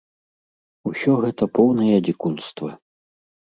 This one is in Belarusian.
Усё гэта поўнае дзікунства.